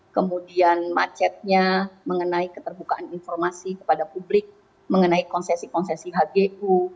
kemudian macetnya mengenai keterbukaan informasi kepada publik mengenai konsesi konsesi hgu